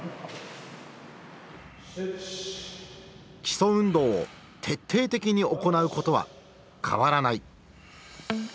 基礎運動を徹底的に行うことは変わらない。